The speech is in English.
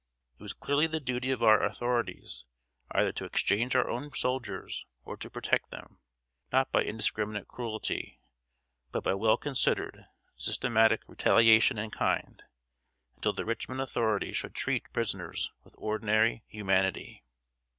It was clearly the duty of our authorities either to exchange our own soldiers, or to protect them not by indiscriminate cruelty, but by well considered, systematic retaliation in kind, until the Richmond authorities should treat prisoners with ordinary humanity.